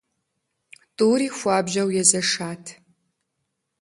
ТӀури хуабжьу езэшат.